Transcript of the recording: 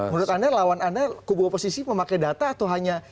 menurut anda lawan anda kubu oposisi memakai data atau hanya